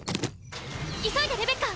急いでレベッカ！